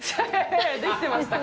できてましたか？